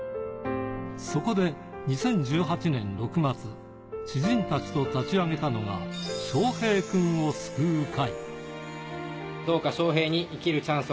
そこで２０１８年６月、知人たちと立ち上げたのが、「翔平くんを救う会」。